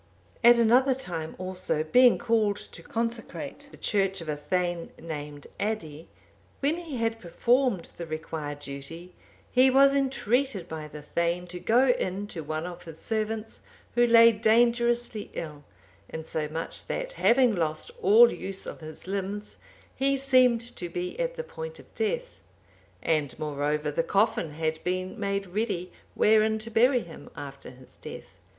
At another time also, being called to consecrate the church(787) of a thegn named Addi, when he had performed the required duty, he was entreated by the thegn to go in to one of his servants, who lay dangerously ill, insomuch that having lost all use of his limbs, he seemed to be at the point of death; and moreover the coffin had been made ready wherein to bury him after his death.